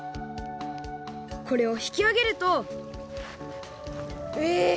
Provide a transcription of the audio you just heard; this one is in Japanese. これをひきあげるとえ！